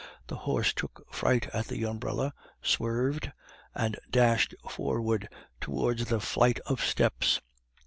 The horse took fright at the umbrella, swerved, and dashed forward towards the flight of steps.